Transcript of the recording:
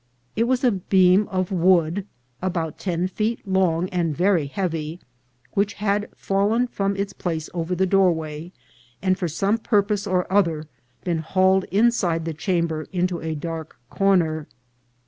It was a beam of wood, about ten feet long and very heavy, which had fallen from its place over the doorway, and for some purpose or other been hauled inside the chamber into a dark corner.